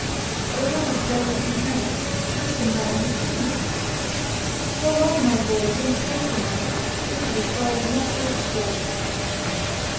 "By all the devils in hell, 'tis the mad Virginian!—fall on, my boys, and take him; this is a prize not hoped for!"